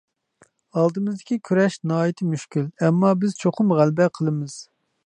ئالدىمىزدىكى كۈرەش ناھايىتى مۈشكۈل ئەمما بىز چوقۇم غەلىبە قىلىمىز.